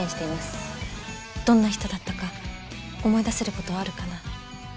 どんな人だったか思い出せる事はあるかな？